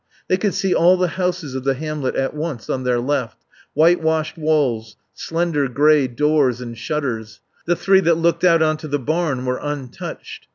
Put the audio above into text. They could see all the houses of the hamlet at once on their left; whitewashed walls; slender grey doors and shutters. The three that looked out on to the barn were untouched.